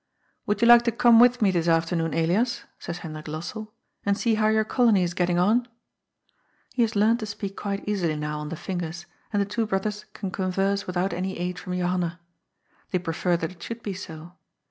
"Would you like to come with me this afternoon, Elias," says Hendrik Lossell, " and see how your colony is getting on ?" He has learned to speak quite easily now on the fingers, and the two brothers can converse without any aid from Johanna. They prefer that it should be so.